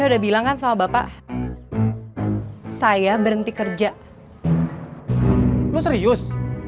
udah bilang kan sama bapak saya berhenti kerja lu serius